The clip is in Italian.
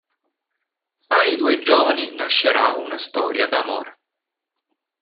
Tra i due giovani nascerà una storia d'amore.